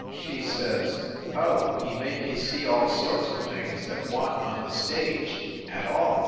She says, "Oh, he made me see all sorts of things that wan t on the stage, at all.